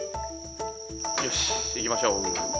よし行きましょう。